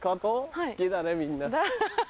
好きだねみんな。